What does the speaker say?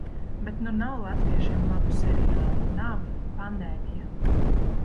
Bet nu nav latviešiem labu seriālu – nav. Pandēmija.